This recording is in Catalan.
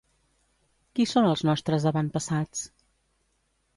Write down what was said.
Qui són els nostres avantpassats?